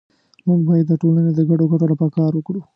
مونږ باید د ټولنې د ګډو ګټو لپاره کار وکړو